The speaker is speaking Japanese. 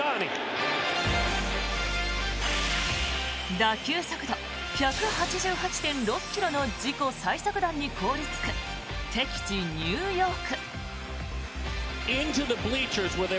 打球速度１８８．６ｋｍの自己最速弾に凍りつく敵地・ニューヨーク。